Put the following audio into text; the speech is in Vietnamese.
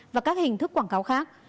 và các hình thức quảng cáo khác